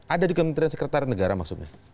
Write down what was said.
ada di kementerian sekretariat negara maksudnya